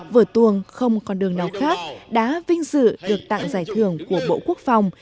vở tuồng không còn đường nào khác đã vinh dự được tặng giải thưởng của bộ quốc phòng